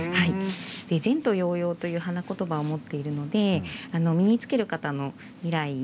前途洋洋という花言葉を持っているので身につける方の未来に